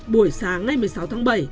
buổi sáng ngày một mươi sáu tháng bảy